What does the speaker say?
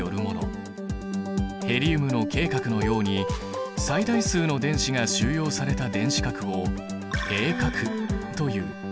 ヘリウムのＫ殻のように最大数の電子が収容された電子殻を閉殻という。